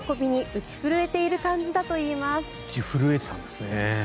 打ち震えていたんですね。